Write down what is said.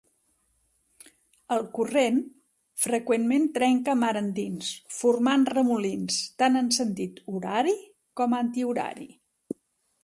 El corrent freqüentment trenca mar endins, formant remolins tant en sentit horari com antihorari.